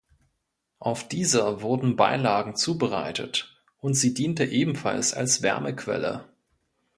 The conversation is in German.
Auf dieser wurden Beilagen zubereitet und sie diente ebenfalls als Wärmequelle.